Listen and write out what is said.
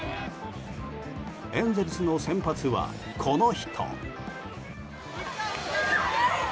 エンゼルスの先発は、この人。